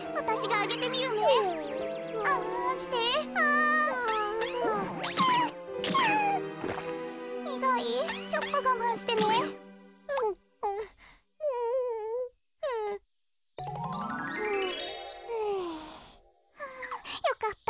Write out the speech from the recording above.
あぁよかった。